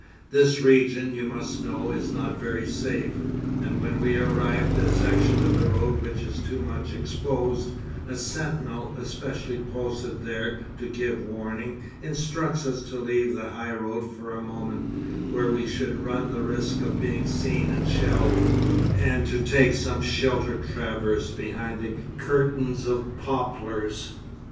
This region, you must know, is not very safe, and when we arrive at a section of the road which is too much exposed, a sentinel, especially posted there to give warning, instructs us to leave the high road for a moment, where we should run the risk of being seen and shelled, and to take some sheltered traverse behind the curtains of poplars.